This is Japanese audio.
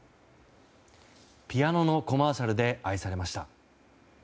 ピアノのコマーシャルで愛されました。